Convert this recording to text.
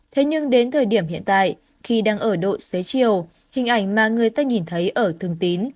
thế nhưng đến thời điểm hiện tại khi đang ở độ xế chiều hình ảnh mà người ta nhìn thấy ở thường tín